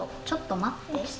ちょっとまって。